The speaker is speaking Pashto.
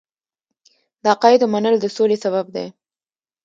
د عقایدو منل د سولې سبب دی.